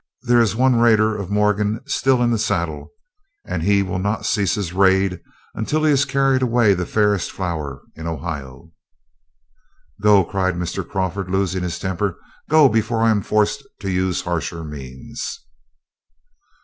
There is one raider of Morgan still in the saddle, and he will not cease his raid until he has carried away the fairest flower in Ohio." "Go," cried Mr. Crawford, losing his temper, "go before I am forced to use harsher means."